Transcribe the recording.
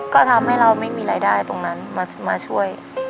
ก็ทำให้เราไม่มีรายได้ตรงนั้นมาช่วย